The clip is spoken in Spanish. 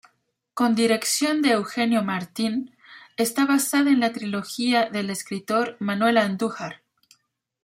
Con dirección de Eugenio Martín, está basada en la trilogía del escritor Manuel Andújar.